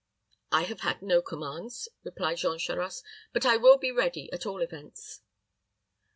"I have had no commands," replied Jean Charost; "but I will be ready, at all events."